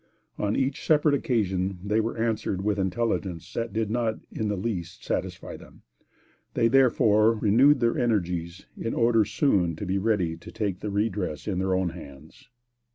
On each separate occasion they were answered with intelligence that did not in the least satisfy them. They, therefore, renewed their energies in order soon to be ready to take the redress in their own hands.